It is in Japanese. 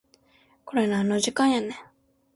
これなんの時間やねん